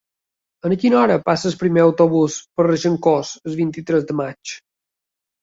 A quina hora passa el primer autobús per Regencós el vint-i-tres de maig?